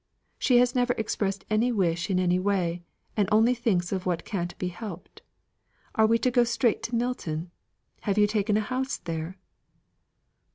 She has never expressed any wish in any way, and only thinks of what can't be helped. Are we to go straight to Milton? Have you taken a house there?"